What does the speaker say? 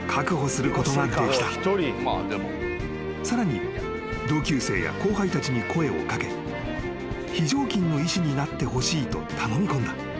［さらに同級生や後輩たちに声を掛け非常勤の医師になってほしいと頼み込んだ］